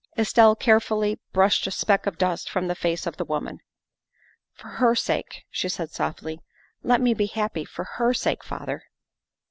Estelle carefully brushed a speck of dust from the face of the woman. " For her sake," she said softly, " let me be happy for her sake, father."